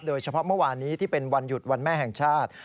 เมื่อวานนี้ที่เป็นวันหยุดวันแม่แห่งชาติ